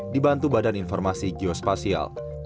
dibantu badan informasi geospasial